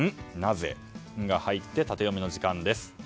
「ン」が入ってタテヨミの時間です。